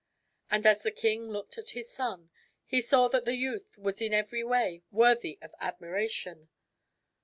And as the king looked at his son, he saw that the youth was in every way worthy of admiration.